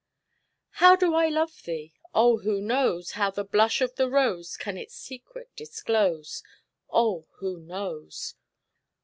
How do I love thee? Oh, who knows How the blush of the rose Can its secret disclose? Oh, who knows?